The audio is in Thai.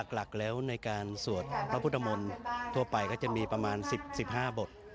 หลักแล้วในการสวดพระพุทธมนต์ทั่วไปก็จะมีประมาณ๑๕บท